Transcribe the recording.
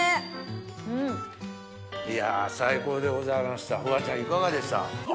いや最高でございましたフワちゃんいかがでした？